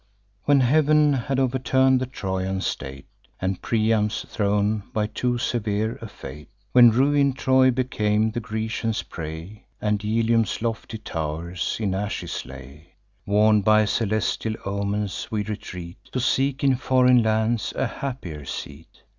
When Heav'n had overturn'd the Trojan state And Priam's throne, by too severe a fate; When ruin'd Troy became the Grecians' prey, And Ilium's lofty tow'rs in ashes lay; Warn'd by celestial omens, we retreat, To seek in foreign lands a happier seat.